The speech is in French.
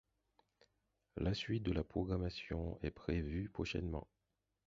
La suite de la programmation est prévue prochainement.